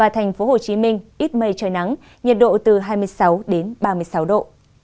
thành phố hồ chí minh ít mây trời nắng nhiệt độ từ hai mươi sáu đến ba mươi sáu độ